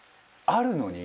あるのに？